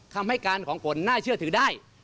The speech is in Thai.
คำให้การของฝนน่าเชื่อถือได้